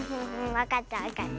わかったわかった。